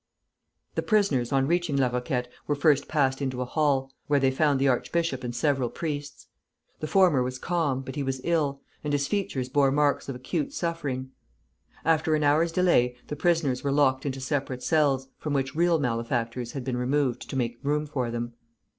The prisoners on reaching La Roquette were first passed into a hall, where they found the archbishop and several priests. The former was calm, but he was ill, and his features bore marks of acute suffering. After an hour's delay the prisoners were locked into separate cells, from which real malefactors had been removed to make room for them.